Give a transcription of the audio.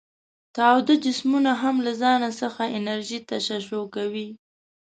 تاوده جسمونه هم له ځانه څخه انرژي تشعشع کوي.